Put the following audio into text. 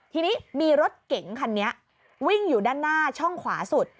ทีนี้มีรถเก๋งคันนี้วิ่งอยู่ด้านหน้าช่องขวาสุด